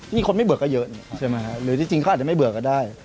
นี่คนไม่เบื่อก็เยอะใช่ไหมหรือจริงเขาอาจจะไม่เบื่อก็ได้